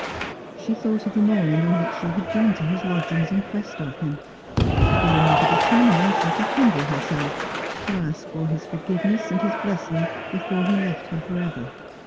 She thought of the morning on which she had gone to his lodgings in quest of him ; gone with a determination to humble herself, to ask for his forgiveness and his blessing before he left her for ever.